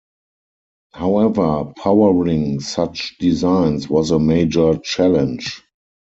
However, powering such designs was a major challenge.